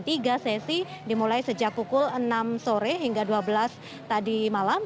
tiga sesi dimulai sejak pukul enam sore hingga dua belas tadi malam